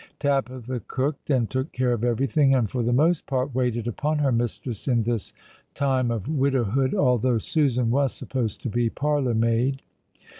Tabitha cooked and took care of everything, and for the most part waited upon her mistress in this time of widowhood, although Susan was supposed to be parlour maid.